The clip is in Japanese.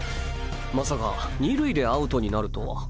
まさか２塁でアウトになるとは。